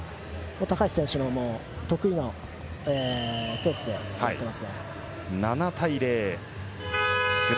高橋選手の得意のペースで行っていますね。